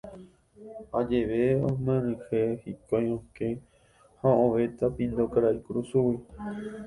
Ajeve omyenyhẽ hikuái okẽ ha ovetã pindo karai kurusúgui.